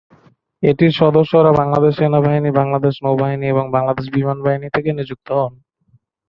এটির সদস্যরা বাংলাদেশ সেনাবাহিনী, বাংলাদেশ নৌবাহিনী এবং বাংলাদেশ বিমান বাহিনী থেকে নিযুক্ত হন।